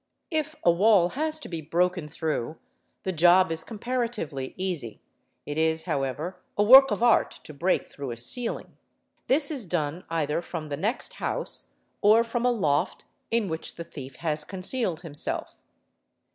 If a wall has to be broken through, the job is comparatively easy, it is however a work of art to break through a ceiling. 'This is done either from the next house, or from a loft in which the thief has concealed himself.